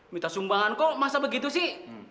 minta sumbangan kok masa begitu sih